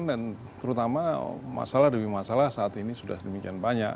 dan terutama masalah demi masalah saat ini sudah demikian banyak